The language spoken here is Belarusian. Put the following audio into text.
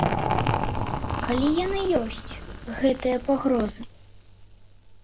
Калі яны ёсць, гэтыя пагрозы.